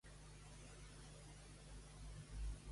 Francisco Bañeres Santos és un fiscal nascut a Tortosa.